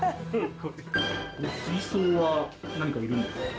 この水槽は何かいるんですか？